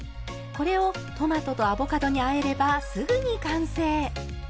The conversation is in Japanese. これをトマトとアボカドにあえればすぐに完成。